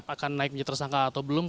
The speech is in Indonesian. akan naik menjadi tersangka atau belum